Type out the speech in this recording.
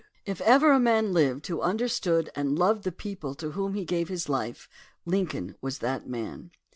If ever a man lived who under stood and loved the people to whom he gave his life, Lincoln was that man.